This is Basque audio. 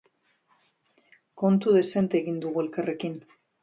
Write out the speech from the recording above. Kontu dezente egin dugu elkarrekin.